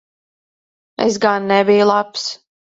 Es gan nebiju labs.